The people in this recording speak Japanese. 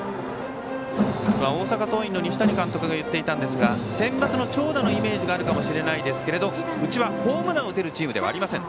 大阪桐蔭の西谷監督が言っていたんですがセンバツの長打のイメージがあるかもしれませんけどもうちはホームランを打てるチームではありません。